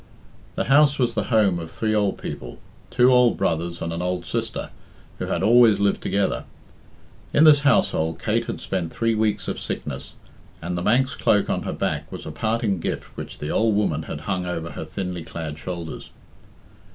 The house was the home of three old people, two old brothers and an old sister, who had always lived together. In this household Kate had spent three weeks of sickness, and the Manx cloak on her back was a parting gift which the old woman had hung over her thinly clad shoulders.